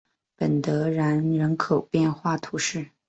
本德然人口变化图示